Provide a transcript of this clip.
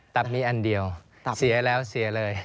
ตัดมีอันเดียวเสียแล้วเสียเลย